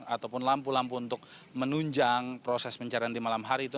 ataupun lampu lampu untuk menunjang proses pencarian di malam hari itu